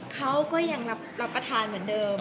เขาก็ยังรับประทานเหมือนเดิม